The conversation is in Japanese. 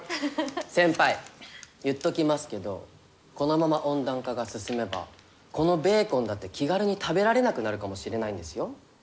先輩言っときますけどこのまま温暖化が進めばこのベーコンだって気軽に食べられなくなるかもしれないんですよ。